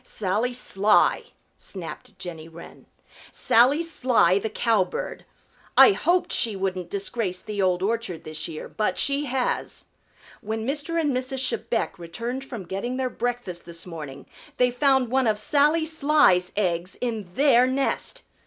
"Sally Sly," snapped Jenny Wren. "Sally Sly the Cowbird. I hoped she wouldn't disgrace the Old Orchard this year, but she has. When Mr. and Mrs. Chebec returned from getting their breakfast this morning they found one of Sally Sly's eggs in their nest.